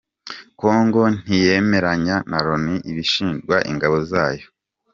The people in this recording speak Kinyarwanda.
Congo ntiyemeranya na Loni ku bishinjwa ingabo zayo.